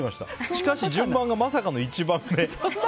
しかし、順番がまさかの１番目。